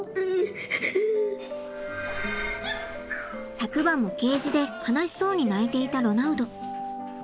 昨晩もケージで悲しそうに鳴いていたロナウド。